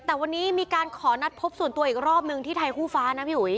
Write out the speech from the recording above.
แต่วันนี้มีการขอนัดพบส่วนตัวอีกรอบนึงที่ไทยคู่ฟ้านะพี่อุ๋ย